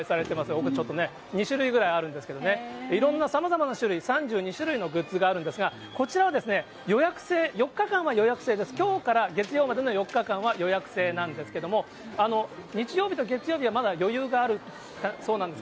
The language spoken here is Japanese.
奥にちょっとね、２種類ぐらいあるんですけどね、いろいろ種類、３２種類のグッズがあるんですが、こちらはですね、予約制、４日間は予約制です、きょうから月曜日まで４日間は予約制なんですけれども、日曜日と月曜日はまだ余裕があるそうなんです。